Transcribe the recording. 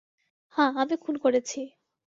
হ্যাঁ আমি খুন করেছি।